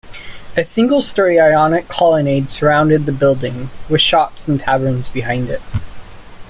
A single-storey Ionic colonnade surrounded the building, with shops and taverns behind it.